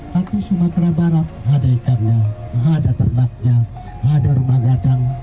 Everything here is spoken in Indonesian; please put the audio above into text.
tapi sumatera barat ada ikannya ada ternaknya ada rumah gadang